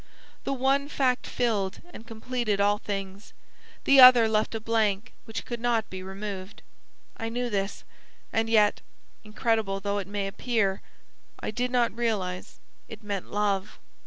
The one fact filled and completed all things; the other left a blank which could not be removed. I knew this, and yet incredible though it may appear I did not realise it meant LOVE.